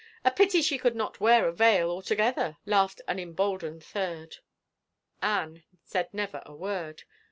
" A pity she could not wear a veil altogether," laughed an emboldened third. Anne said never a word.